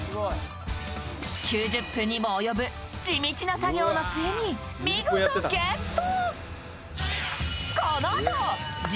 ９０分にも及ぶ地道な作業の末に見事ゲット。